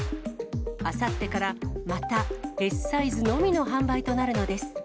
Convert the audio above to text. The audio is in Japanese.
あさってからまたＳサイズのみの販売となるのです。